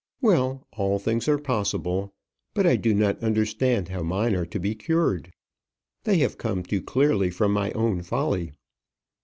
"Well, all things are possible; but I do not understand how mine are to be cured. They have come too clearly from my own folly."